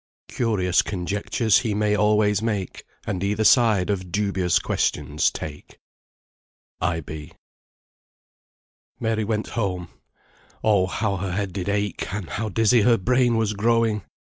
"Curious conjectures he may always make, And either side of dubious questions take." IB. Mary went home. Oh! how her head did ache, and how dizzy her brain was growing!